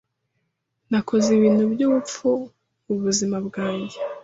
Nakoze ibintu byubupfu mubuzima bwanjye.